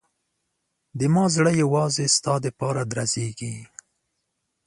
زما زړه یوازې ستا لپاره درزېږي.